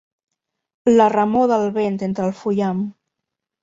La remor del vent entre el fullam.